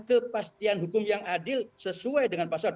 kepastian hukum yang adil sesuai dengan pasal dua puluh